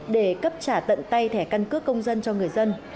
để cấp trả tận tay thẻ căn cước công dân cho người dân